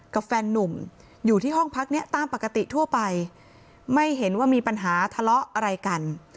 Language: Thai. แฟนนุ่มอยู่ที่ห้องพักนี้ตามปกติทั่วไปไม่เห็นว่ามีปัญหาทะเลาะอะไรกัน